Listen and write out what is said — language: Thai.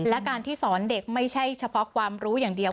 และการที่สอนเด็กไม่ใช่เฉพาะความรู้อย่างเดียว